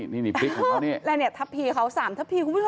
ต่อไปทะพีเลี้ยว๓ทะพี